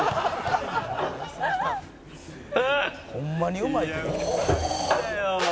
「ホンマにうまい時の」